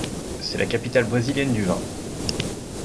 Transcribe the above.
C'est la capitale brésilienne du vin.